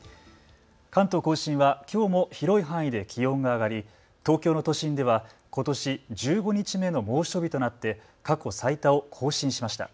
関東甲信はきょうも広い範囲で気温が上がり東京の都心ではことし１５日目の猛暑日となって過去最多を更新しました。